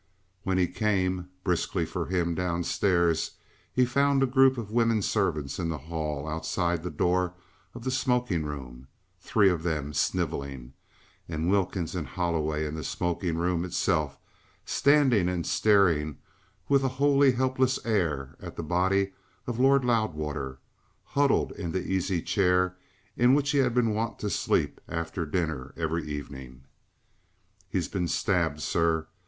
When he came briskly for him downstairs he found a group of women servants in the hall, outside the door of the smoking room, three of them snivelling, and Wilkins and Holloway in the smoking room itself, standing and staring with a wholly helpless air at the body of Lord Loudwater, huddled in the easy chair in which he had been wont to sleep after dinner every evening. "He's been stabbed, sir.